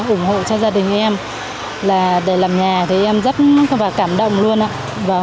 ủng hộ cho gia đình em là để làm nhà thì em rất là cảm động luôn ạ